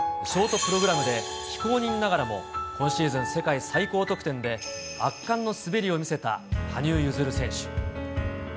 ショートプログラムで非公認ながらも、今シーズン世界最高得点で圧巻の滑りを見せた羽生結弦選手。